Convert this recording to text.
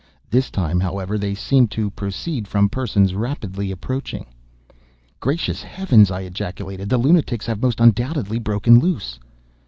This time, however, they seemed to proceed from persons rapidly approaching. "Gracious heavens!" I ejaculated—"the lunatics have most undoubtedly broken loose."